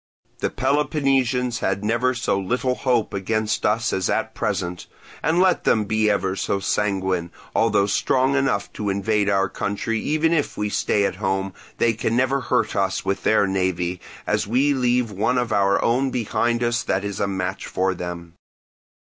The Peloponnesians had never so little hope against us as at present; and let them be ever so sanguine, although strong enough to invade our country even if we stay at home, they can never hurt us with their navy, as we leave one of our own behind us that is a match for them.